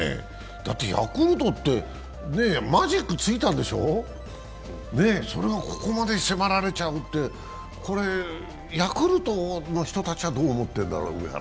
ヤクルトって、マジックついたんでしょ、それがここまで迫られちゃうってヤクルトの人たちはどう思ってるんだろう？